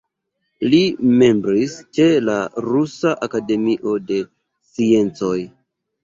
Li membris ĉe la Rusia Akademio de Sciencoj.